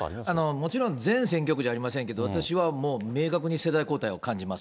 もちろん、全選挙区じゃありませんけど、私はもう明確に世代交代を感じます。